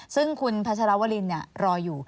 ซึ่งคุณพัชรวรินรออยู่